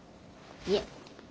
いえ